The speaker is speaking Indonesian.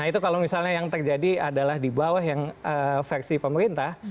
nah itu kalau misalnya yang terjadi adalah di bawah yang versi pemerintah